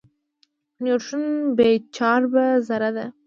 نیوټرون بې چارجه ذره ده.